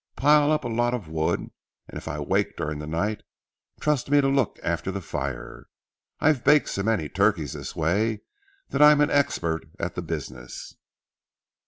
Pile up a lot of wood, and if I wake up during the night, trust to me to look after the fire. I've baked so many turkeys this way that I'm an expert at the business."